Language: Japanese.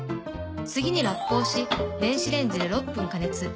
次にラップをし電子レンジで６分加熱。